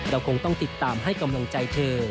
คงต้องติดตามให้กำลังใจเธอ